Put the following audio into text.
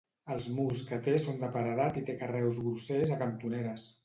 Els murs que té són de paredat i té carreus grossers a cantoneres.